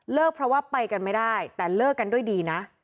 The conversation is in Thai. เพราะว่าไปกันไม่ได้แต่เลิกกันด้วยดีนะ